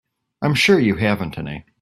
I'm sure you haven't any.